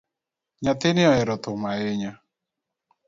Nyathini ohero thum ahinya